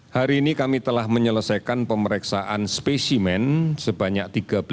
hari ini kami telah menyelesaikan pemeriksaan spesimen sebanyak tiga belas dua ratus enam